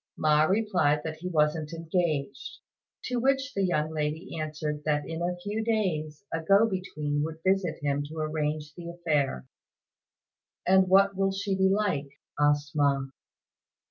Ma replied that he wasn't engaged, to which the young lady answered that in a few days a go between would visit him to arrange the affair. "And what will she be like?" asked Ma.